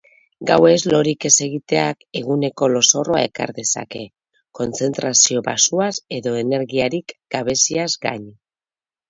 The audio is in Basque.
Gauez lorik ez egiteak eguneko lozorroa ekar dezake, kontzentrazio baxuaz edo energiarik gabeziaz gain.